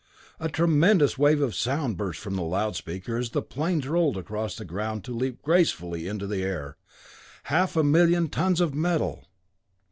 A tremendous wave of sound burst from the loudspeaker as the planes rolled across the ground to leap gracefully into the air half a million tons of metal!